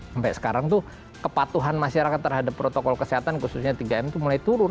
sampai sekarang tuh kepatuhan masyarakat terhadap protokol kesehatan khususnya tiga m itu mulai turun